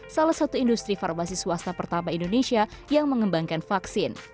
salah satu industri farmasi swasta pertama indonesia yang mengembangkan vaksin